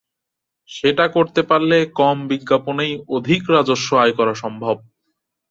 সেটা করতে পারলে কম বিজ্ঞাপনেই অধিক রাজস্ব আয় করা সম্ভব।